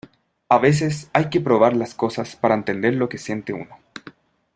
a veces, hay que probar las cosas para entender lo que siente uno.